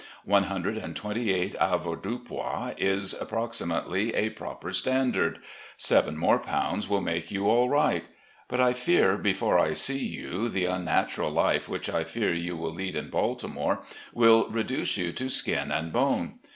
One hundred and twenty eight avoirdupois is approximately a proper standard. Seven more pounds 252 AN IDEAL FATHER 253 will make you all right. But I fear before I see you the unnatural hfe, which I fear you will lead in Baltimore, will reduce you to skin and bone.